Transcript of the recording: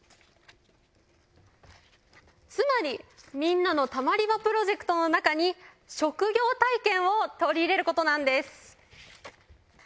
つまりみんなのたまり場プロジェクトの中に職業体験を取り入れることなんです。